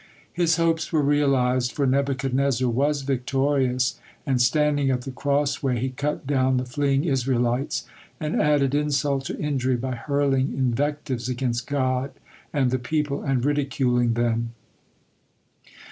His hopes were realized, for Nebuchadnezzar was victorious, and standing at the crossway, he cut down the fleeing Israelites, and added insult to injury by hurling invectives against God and the people, and ridiculing them.